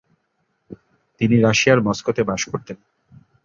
তিনি রাশিয়ার মস্কোতে বাস করতেন।